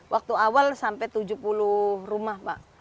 waktu awal sampai tujuh puluh rumah pak